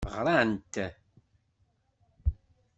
Ɣrant.